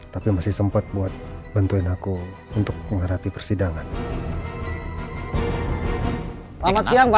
tapi masih sempet buat bantuin aku untuk mengharapi persidangan